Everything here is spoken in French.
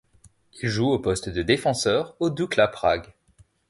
Il joue au poste de défenseur au Dukla Prague.